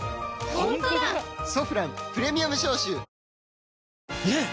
「ソフランプレミアム消臭」ねえ‼